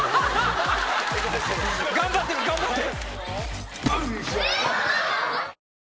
頑張ってる頑張ってる。